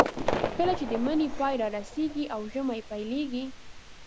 کله چې د مني پای رارسېږي او ژمی پیلېږي.